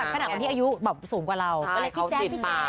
ขนาดว่าที่อายุสูงกว่าเราก็เรียกพี่แจ๊กพี่แจ๊ก